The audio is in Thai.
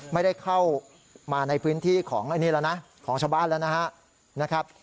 ไม่ได้เข้ามาในพื้นที่ของชาวบ้านแล้วนะครับ